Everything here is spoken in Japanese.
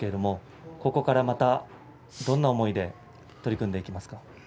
ここからまたどんな思いで取り組んでいきますか。